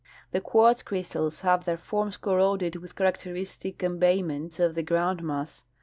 The quartz crystals have their forms corroded with characteristic embayments of the groundmass.